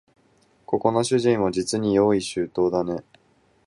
ここの主人はじつに用意周到だね